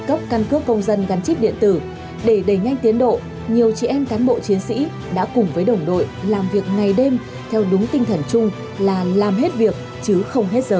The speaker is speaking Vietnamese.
cấp căn cước công dân gắn chip điện tử để đẩy nhanh tiến độ nhiều chị em cán bộ chiến sĩ đã cùng với đồng đội làm việc ngày đêm theo đúng tinh thần chung là làm hết việc chứ không hết giờ